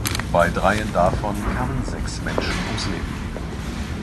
Bei dreien davon kamen sechs Menschen ums Leben.